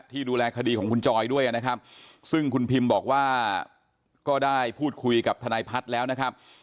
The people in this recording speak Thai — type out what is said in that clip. ดูแลคดีของคุณจอยด้วยนะครับซึ่งคุณพิมบอกว่าก็ได้พูดคุยกับทนายพัฒน์แล้วนะครับ